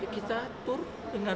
katakanlah satgas anti begal